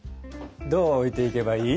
どう置いていけばいい？